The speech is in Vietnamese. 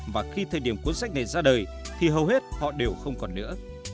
và khi thời điểm cuốn sách này ra đời thì hầu hết họ đều không còn nữa